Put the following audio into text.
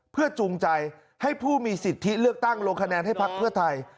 เพื่อจูงใจให้ผู้มีสิทธิเลือกตั้งลงคะแนนให้พักเพื่อไทย